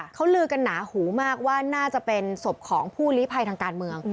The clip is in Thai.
เขาลือกันหนาหูมากว่าน่าจะเป็นศพของผู้ลีภัยทางการเมือง